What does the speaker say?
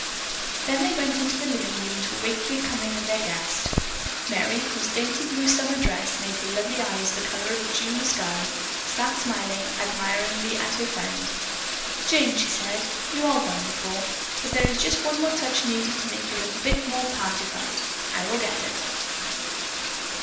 Then they went into the living room to await the coming of their guest. Merry, whose dainty blue summer dress made her lovely eyes the color of a June sky, sat smiling admiringly at her friend. "Jane," she said, "you are wonderful. But there is just one more touch needed to make you look a bit more partified. I will get it."